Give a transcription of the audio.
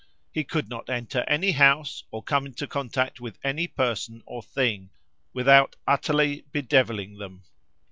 He could not enter any house, or come into contact with any person or thing, without utterly bedevilling them.